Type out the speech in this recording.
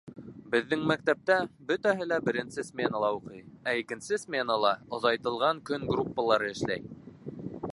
Беҙҙең мәктәптә бөтәһе лә беренсе сменала уҡый, ә икенсе сменала оҙайтылған көн группалары эшләй.